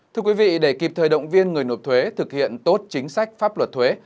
thưa quý vị để kịp thời động viên người nộp thuế thực hiện tốt chính sách pháp luật thuế